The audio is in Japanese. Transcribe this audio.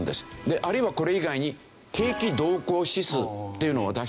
あるいはこれ以外に景気動向指数っていうのを出していたり。